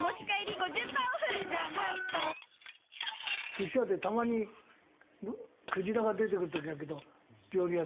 寿司屋でたまにクジラが出てくる時あるけど料理屋で。